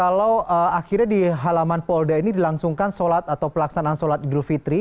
kalau akhirnya di halaman polda ini dilangsungkan sholat atau pelaksanaan sholat idul fitri